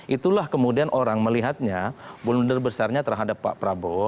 itulah kemudian orang melihatnya blunder besarnya terhadap pak prabowo